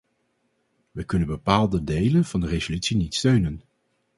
Wij kunnen bepaalde delen van de resolutie niet steunen.